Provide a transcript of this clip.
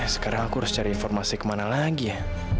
sekarang aku harus cari informasi kemana lagi ya